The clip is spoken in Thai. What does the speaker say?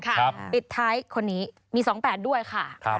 ปิดท้ายคนนี้มี๒๘ด้วยค่ะ